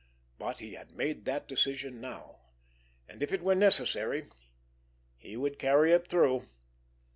But he had made that decision now; and, if it were necessary, he would carry it through.